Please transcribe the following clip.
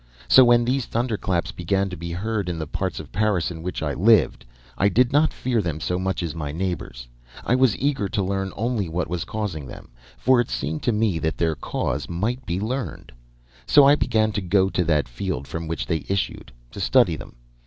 So when these thunderclaps began to be heard in the part of Paris in which I lived, I did not fear them so much as my neighbors. I was eager to learn only what was causing them, for it seemed to me that their cause might be learned. "So I began to go to that field from which they issued, to study them.